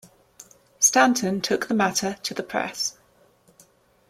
Stanton took the matter to the press.